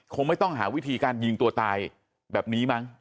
คงไม่ต้องหาวิธีการยิงตัวตายแบบนี้มั้ง